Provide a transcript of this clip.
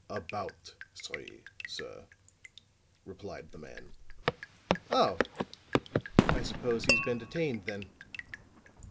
"About three, sir," replied the man. "Oh! I suppose he's been detained then.